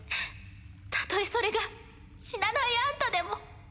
たとえそれが死なないあんたでも。